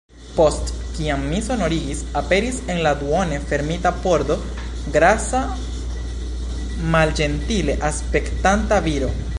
Post kiam mi sonorigis, aperis en la duone fermita pordo grasa malĝentile aspektanta viro.